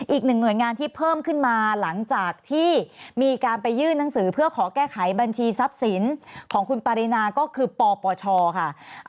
อีกหนึ่งหน่วยงานที่เพิ่มขึ้นมาหลังจากที่มีการไปยื่นหนังสือเพื่อขอแก้ไขบัญชีทรัพย์สินของคุณปรินาก็คือปปชค่ะ